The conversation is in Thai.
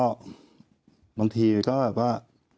ก็บางทีก็แบบว่า